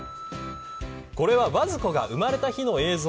これはバズ子が生まれた日の映像。